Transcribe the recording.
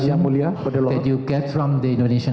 yang anda dapat dari